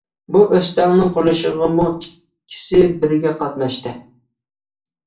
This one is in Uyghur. بۇ ئۆستەڭ قۇرۇلۇشىغىمۇ ئىككىسى بىرگە قاتناشتى.